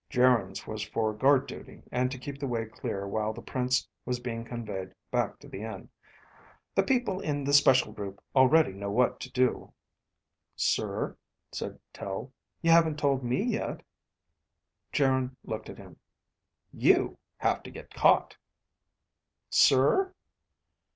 Geryn's was for guard duty and to keep the way clear while the prince was being conveyed back to the inn. "The people in the special group already know what to do." "Sir," said Tel, "you haven't told me, yet." Geryn looked at him. "You have to get caught." "Sir?"